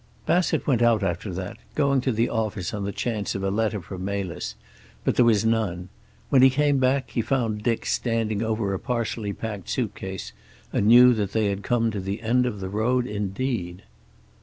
Bassett went out after that, going to the office on the chance of a letter from Melis, but there was none. When he came back he found Dick standing over a partially packed suitcase, and knew that they had come to the end of the road indeed.